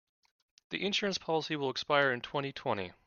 The insurance policy will expire in twenty-twenty.